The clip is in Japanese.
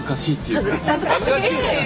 恥ずかしいの？